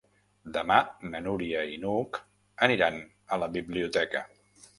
Demà na Núria i n'Hug aniran a la biblioteca.